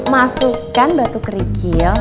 masukkan batu kerikil